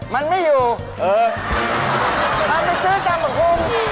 มันไม่อยู่มันไปซื้อเงินของคุณ